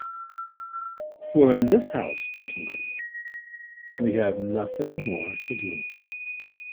For in this house, gentlemen, we have nothing more to do.